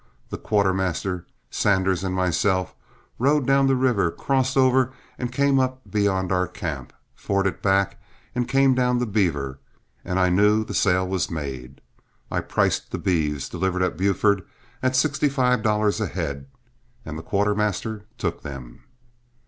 The quartermaster, Sanders, and myself rode down the river, crossed over and came up beyond our camp, forded back and came down the Beaver, and I knew the sale was made. I priced the beeves, delivered at Buford, at sixty five dollars a head, and the quartermaster took them.